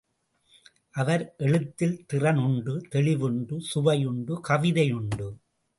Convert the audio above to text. அவர் எழுத்தில் திறன் உண்டு தெளிவு உண்டு சுவை உண்டு கவிதை உண்டு.